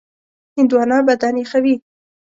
هندوانه بدن یخوي.